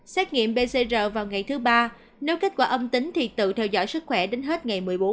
xét nghiệm pcr vào ngày thứ ba nếu kết quả âm tính thì tự theo dõi sức khỏe đến hết ngày một mươi bốn